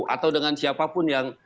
atau dengan siapapun yang